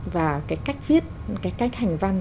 và cái cách viết cái cách hành văn